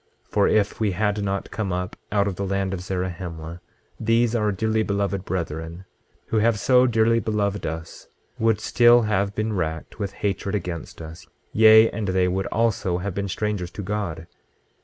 26:9 For if we had not come up out of the land of Zarahemla, these our dearly beloved brethren, who have so dearly beloved us, would still have been racked with hatred against us, yea, and they would also have been strangers to God.